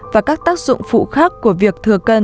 và các tác dụng phụ khác của việc thừa cân